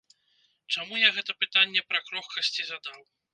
Чаму я гэта пытанне пра крохкасць і задаў?